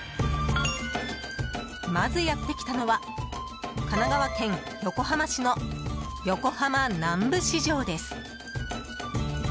まずやってきたのは神奈川県横浜市の横浜南部市場です。